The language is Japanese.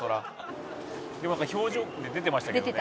「でも表情に出てましたけどね」